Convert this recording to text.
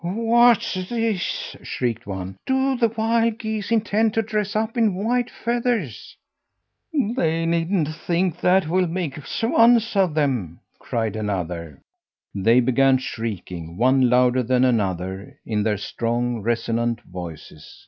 "What's this?" shrieked one. "Do the wild geese intend to dress up in white feathers?" "They needn't think that will make swans of them," cried another. They began shrieking one louder than another in their strong, resonant voices.